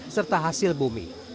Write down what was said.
serta hasil bumi